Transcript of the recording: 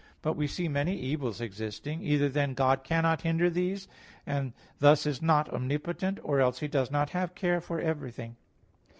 But we see many evils existing. Either, then, God cannot hinder these, and thus is not omnipotent; or else He does not have care for everything.